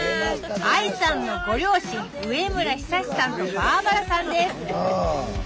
ＡＩさんのご両親植村久さんとバーバラさんです